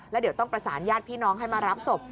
แล้วเดี๋ยวต้องประสานญาติพี่น้องให้มารับศพ